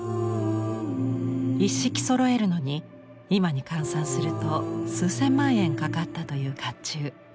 一式そろえるのに今に換算すると数千万円かかったという甲冑。